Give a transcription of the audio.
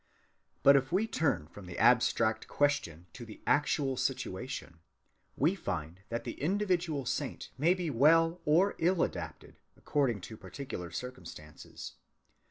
But if we turn from the abstract question to the actual situation, we find that the individual saint may be well or ill adapted, according to particular circumstances.